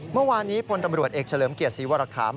เมื่อวานนี้พลตำรวจเอกเฉลิมเกียรติศรีวรคาม